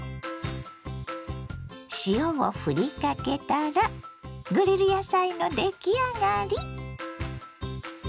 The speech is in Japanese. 塩をふりかけたらグリル野菜の出来上がり。